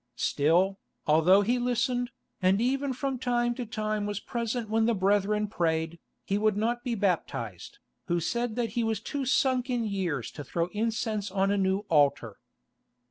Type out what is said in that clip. Still, although he listened, and even from time to time was present when the brethren prayed, he would not be baptised, who said that he was too sunk in years to throw incense on a new altar.